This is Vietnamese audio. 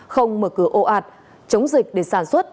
không mở cửa ồ ạt chống dịch để sản xuất